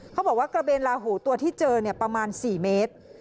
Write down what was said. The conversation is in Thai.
เขาบอกว่ากระเบนลาหูตัวที่เจอประมาณ๔เมตร